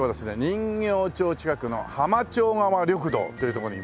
人形町近くの浜町川緑道というとこにいますね。